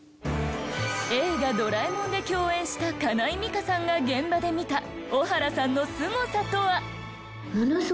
映画『ドラえもん』で共演したかないみかさんが現場で見た小原さんのスゴさとは？